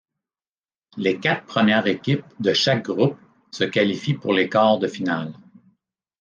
Les quatre premières équipes de chaque groupe se qualifient pour les quarts de finale.